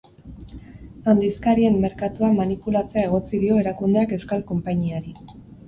Handizkarien merkatua manipulatzea egotzi dio erakundeak euskal konpainiari.